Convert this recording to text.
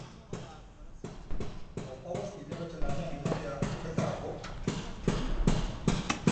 Lauzpabost hilabete lanean ematea horretarako...